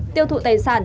tiêu thụ tài sản